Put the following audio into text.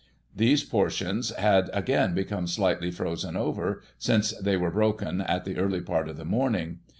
These portions had again become slightly frozen over, since they were broken at an early part of the morning.